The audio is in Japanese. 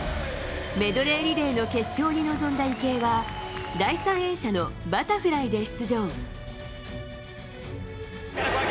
メドレーリレーの決勝に臨んだ池江は第３泳者のバタフライで出場。